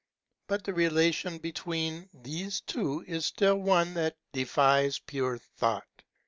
But the relation between these two is still one that defies pure thought.